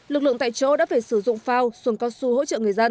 lực lượng tại chỗ đã phải sử dụng phao xuồng cao su hỗ trợ người dân